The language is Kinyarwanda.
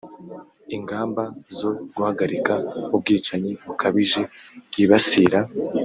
ingamba zo guhagarika ubwicanyi bukabije bwibasira